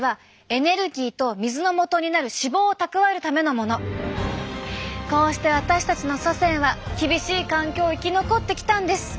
つまりこうして私たちの祖先は厳しい環境を生き残ってきたんです。